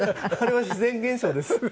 あれは自然現象です。